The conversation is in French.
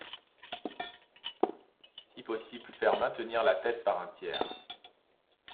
Si possible, faire maintenir la tête par un tiers.